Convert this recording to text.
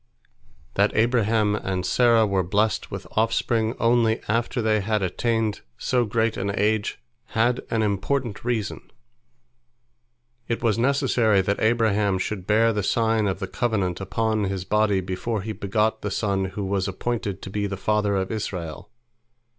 " That Abraham and Sarah were blessed with offspring only after they had attained so great an age, had an important reason. It was necessary that Abraham should bear the sign of the covenant upon his body before he begot the son who was appointed to be the father of Israel.